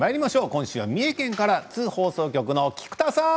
今週は三重県から津放送局の菊田さん。